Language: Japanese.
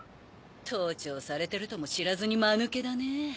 盗聴されてるとも知らずにマヌケだねぇ。